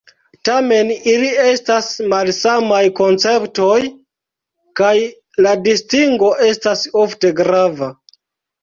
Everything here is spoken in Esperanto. Tamen, ili estas malsamaj konceptoj, kaj la distingo estas ofte grava.